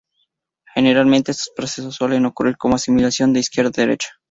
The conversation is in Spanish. Generalmente, estos procesos suelen ocurrir como asimilación de izquierda a derecha.